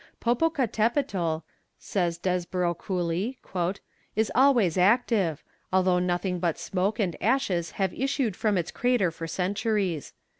"Popocatepetl," says Desborough Cooley, "is always active, although nothing but smoke and ashes have issued from its crater for centuries.